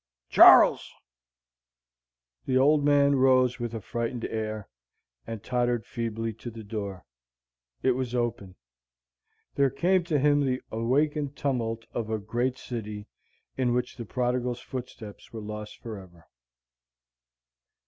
"Char les!" The old man rose with a frightened air, and tottered feebly to the door. It was open. There came to him the awakened tumult of a great city, in which the prodigal's footsteps were lost forever.